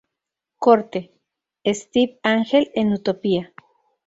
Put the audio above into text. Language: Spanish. Corte: Steve Angel en Utopia.